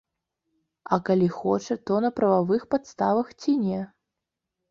А калі хоча, то на прававых падставах ці не.